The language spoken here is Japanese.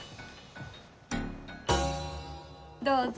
どうぞ。